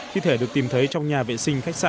thi thể được tìm thấy trong nhà vệ sinh khách sạn